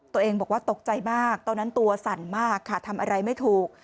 ตัวเองบอกว่าตกใจมากตอนนั้นตัวสั่นมากค่ะทำอะไรไม่ถูก